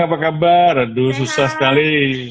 apa kabar aduh susah sekali